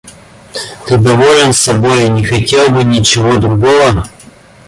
Ты доволен собой и не хотел бы ничего другого?